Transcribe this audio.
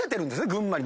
群馬に。